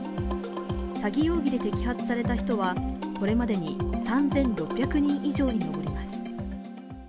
詐欺容疑で摘発された人はこれまでに３６００人以上に上ります。